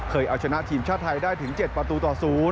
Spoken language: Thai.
เอาชนะทีมชาติไทยได้ถึง๗ประตูต่อ๐